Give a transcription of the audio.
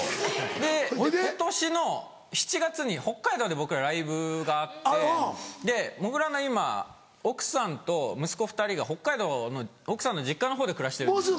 で今年の７月に北海道で僕らライブがあってもぐらの今奥さんと息子２人が北海道の奥さんの実家のほうで暮らしてるんですよ。